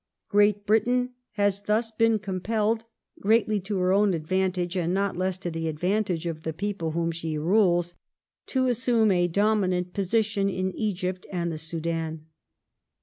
Great Britain has thus been compelled, greatly to her own advantage and not less to the ad vantage of the people whom she rules, to assume a dominant posi tion in Egypt and the Soudan.